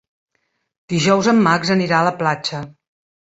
Dijous en Max anirà a la platja.